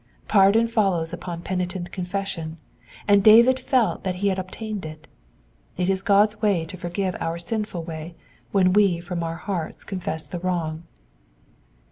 Pardon follows upon penitent confession, and David felt that he had obtained it. It is God's way to forgive our sinful way when we from our hearts confess the wrong.